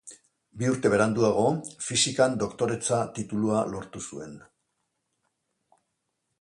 Bi urte beranduago, Fisikan Doktoretza titulua lortu zuen.